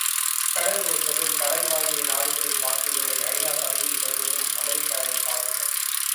கடன் கொடுப்பதும் கடன் வாங்கிய நாடுகளின் வாக்குகளை ஐ.நா. சபையில் பெறுவதும் அமெரிக்காவின் சாகசம்.